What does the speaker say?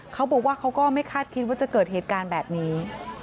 เขาก็ไม่คาดคิดว่าจะเกิดเหตุการณ์แบบนี้